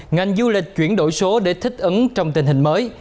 ngành du lịch chuyển đổi số để thích ứng trong tình hình mới